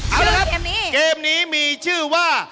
เอาละครับเกมนี้มีชื่อว่า